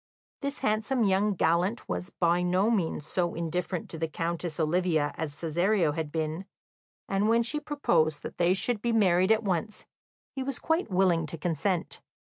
This handsome young gallant was by no means so indifferent to the Countess Olivia as Cesario had been, and when she proposed that they should be married at once, he was quite willing to consent.